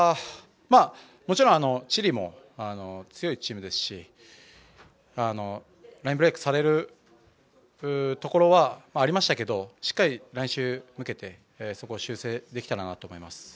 もちろんチリも強いチームですしラインブレークされるところはありましたけどしっかり、そこは修正できたかなと思います。